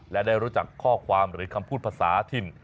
และได้รู้จักข้อความหรือคำพูดภาษาถิ่น